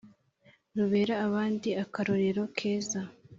Rubere abandi akarorero keza